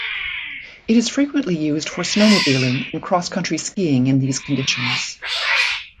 It is frequently used for snowmobiling and cross-country skiing in these conditions.